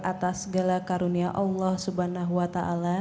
atas segala karunia allah swt